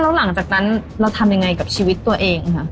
แล้วหลังจากนั้นเราทำยังไงกับชีวิตตัวเองค่ะ